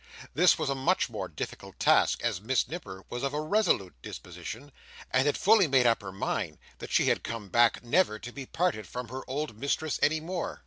This was a much more difficult task, as Miss Nipper was of a resolute disposition, and had fully made up her mind that she had come back never to be parted from her old mistress any more.